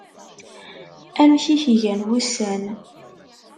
Amek i ak-gan wussan.